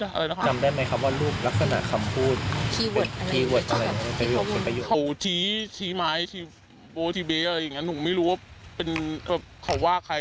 เค้าชี้ไม้นะหนูไม่รู้ว่าเขาว่าใคร